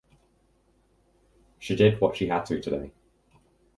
She did what she had to today.